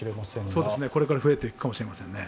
そうですね、これから増えていくかもしれませんね。